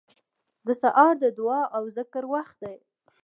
سهار د دعا او ذکر وخت دی.